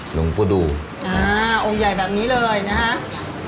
หลวงปุฎูโอ้งใหญ่แบบนี้เลยนะครับ